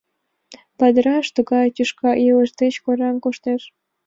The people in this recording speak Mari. Падыраш тугак тӱшка илыш деч кораҥ коштеш.